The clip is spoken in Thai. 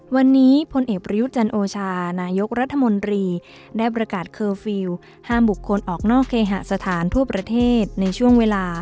วันนี้พลเอกประยุทธ์จันโอชานายกรัฐมนตรีได้ประกาศเคอร์ฟิลล์ห้ามบุคคลออกนอกเคหสถานทั่วประเทศในช่วงเวลา